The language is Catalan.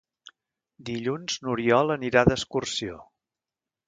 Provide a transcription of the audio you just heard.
Dilluns n'Oriol anirà d'excursió.